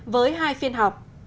với hai phiên học